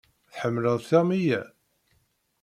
Tḥemmleḍ tiɣmi-ya?